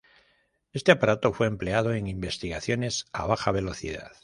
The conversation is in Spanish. Este aparato fue empleado en investigaciones a baja velocidad.